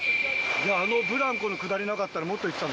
あのブランコのくだりなかったらもっといってたんだ。